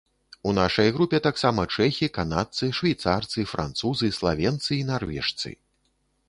У нашай групе таксама чэхі, канадцы, швейцарцы, французы, славенцы і нарвежцы.